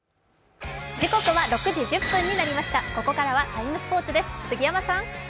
ここからは「ＴＩＭＥ，スポーツ」です、杉山さん。